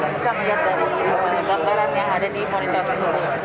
bisa dilihat dari gambaran yang ada di monitor tersebut